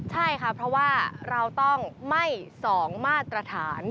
ใช่ครับเพราะว่าเราต้องไม่สองมาตรฐาน